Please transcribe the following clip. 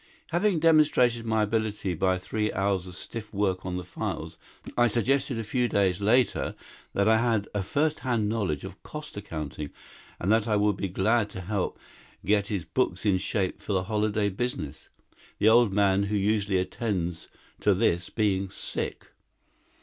"Having demonstrated my ability by three hours of stiff work on the files, I suggested a few days later that I had a first hand knowledge of cost accounting and that I would be glad to help get his books in shape for the holiday business, the old man who usually attends to this being sick.